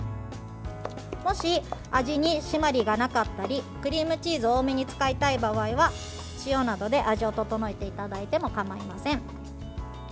もし、味に締まりがなかったりクリームチーズを多めに使いたい場合は塩などで味を調えていただいても構いません。